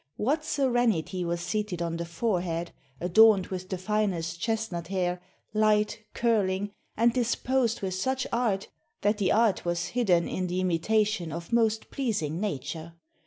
What serenity was seated on the forehead, adorned with the finest chestnut hair, light, curling, and disposed with such art, that the art was hidden in the imitation of most pleasing nature!